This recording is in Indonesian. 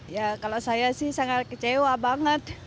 ya kalau saya sih sangat kecewa banget